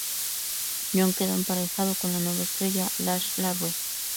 John quedó emparejado con la nueva estrella Lash La Rue.